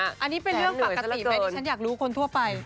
อันนี้เป็นเรื่องปกติไหมที่ฉันอยากรู้คนทั่วไป